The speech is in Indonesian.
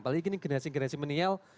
apalagi ini generasi generasi milenial